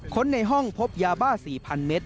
ในห้องพบยาบ้า๔๐๐เมตร